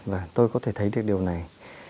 và tôi có thể thấy được điều này